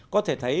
có thể thấy